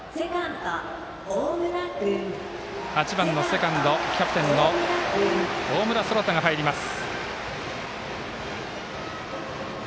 ８番のセカンド、キャプテンの大村昊澄が入ります。